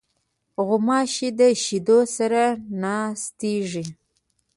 غوماشې د شیدو سره ناستېږي.